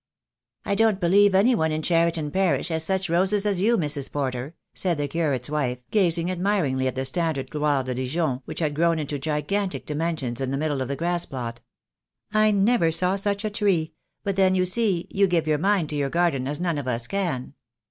"I don't believe any one in Cheriton parish has such roses as you, Mrs. Porter," said the curate's wife, gazing admiringly at the standard gloire de Dijon, which had grown into gigantic dimensions in the middle of the grass plot. "I never saw such a tree; but then, you see, you give your mind to your garden as none of us can."